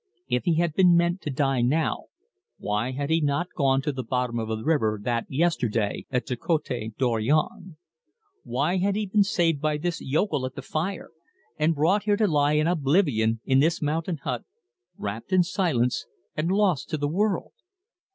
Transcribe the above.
If he had been meant to die now, why had he not gone to the bottom of the river that yesterday at the Cote Dorion? Why had he been saved by this yokel at the fire, and brought here to lie in oblivion in this mountain hut, wrapped in silence and lost to the world?